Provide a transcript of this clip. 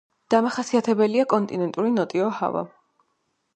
დამახასიათებელია კონტინენტური ნოტიო ჰავა.